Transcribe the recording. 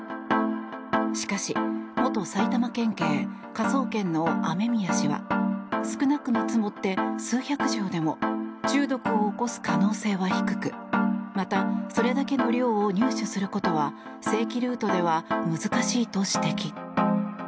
しかし元埼玉県警科捜研の雨宮氏は少なく見積もって数百錠でも中毒を起こす可能性は低くまたそれだけの量を入手することは正規ルートでは難しいと指摘。